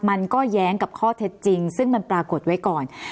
มันก็แย้งกับข้อเท็จจริงซึ่งมันปรากฏไว้ก่อน